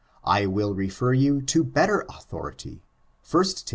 I will refer you to better authority — 1 Tim.